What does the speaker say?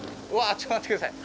ちょっと待って下さい。